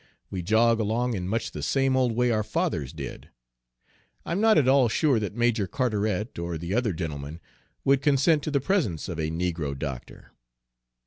We jog along in much the same old way our fathers did. I'm not at all sure that Major Carteret or the other gentlemen would consent to the presence of a negro doctor."